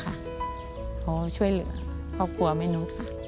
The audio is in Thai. เพราะช่วยเหลือครอบครัวมนุษย์ค่ะ